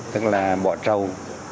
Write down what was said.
tức là bỏ trâu